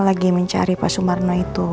lagi mencari pak sumarno itu